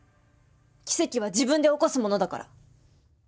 奇跡は自分で起こすものだから。